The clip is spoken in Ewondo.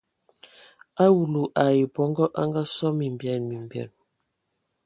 Awulu ai bɔngɔ anga sɔ mimbean mimbean.